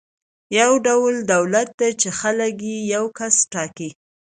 یو ډول دولت دی چې خلک یې یو کس ټاکي.